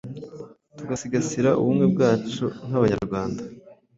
tugasigasira ubumwe bwacu nk’Abanyarwanda.